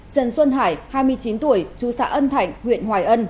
trần xuân hải hai mươi chín tuổi chú xã ân thạnh huyện hoài ân